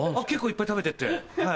結構いっぱい食べてって。